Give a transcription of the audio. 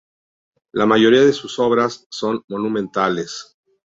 La mayoría de sus obras son monumentales.